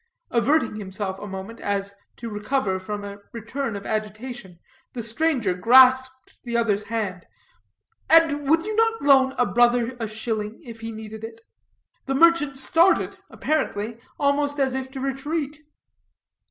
Averting himself a moment, as to recover from a return of agitation, the stranger grasped the other's hand; "and would you not loan a brother a shilling if he needed it?" The merchant started, apparently, almost as if to retreat.